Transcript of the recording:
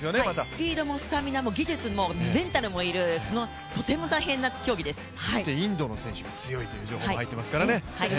スピードも、スタミナも、技術も、メンタルも要る、インドの選手が強いという情報も入っていますからね。